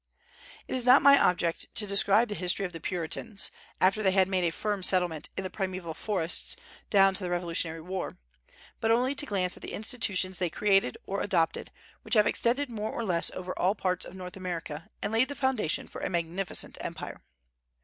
It is not my object to describe the history of the Puritans, after they had made a firm settlement in the primeval forests, down to the Revolutionary War, but only to glance at the institutions they created or adopted, which have extended more or less over all parts of North America, and laid the foundation for a magnificent empire.